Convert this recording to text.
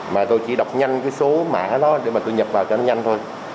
mà tôi chỉ đọc nhanh cái số mã đó để mà tôi nhập vào cho nó nhanh thôi